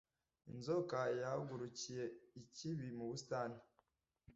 Inzoka yahagurukiye ikibi mu busitani